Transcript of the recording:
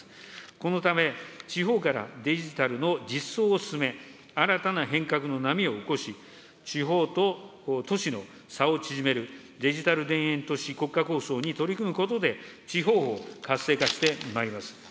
このため、地方からデジタルの実装を進め、新たな変革の波を起こし、地方と都市の差を縮める、デジタル田園都市国家構想に取り組むことで、地方を活性化してまいります。